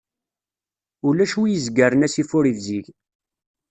Ulac wi izegren asif ur ibzig.